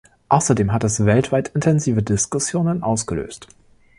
Außerdem hat es weltweit intensive Diskussionen ausgelöst.